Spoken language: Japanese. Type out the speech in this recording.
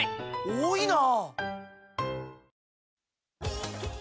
多いな！